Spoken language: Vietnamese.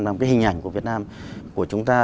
làm cái hình ảnh của việt nam của chúng ta